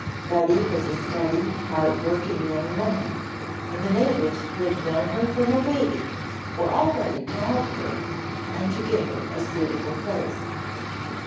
Betty was a steady, hard working young woman, and the neighbours who had known her from a baby were all ready to help her and to get her a suitable place.